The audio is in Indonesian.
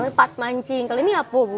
tempat mancing kalau ini apa bu